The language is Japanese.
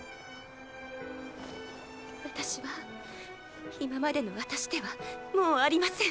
私は今までの私ではもうありません。